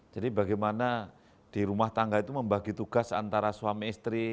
bagaimana di rumah tangga itu membagi tugas antara suami istri